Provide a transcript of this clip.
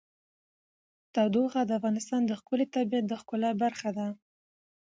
تودوخه د افغانستان د ښکلي طبیعت د ښکلا برخه ده.